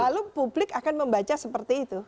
lalu publik akan membaca seperti itu